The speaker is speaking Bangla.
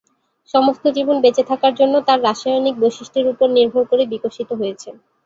সমস্ত জীবন বেঁচে থাকার জন্য তার রাসায়নিক বৈশিষ্ট্যের উপর নির্ভর করে বিকশিত হয়েছে।